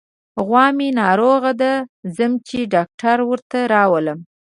غوا مې ناروغه ده، ځم چې ډاکټر ورته راولم.